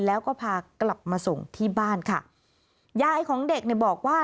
แล้วก็พากลับมาส่งที่บ้านค่ะยายของเด็กเนี่ยบอกว่า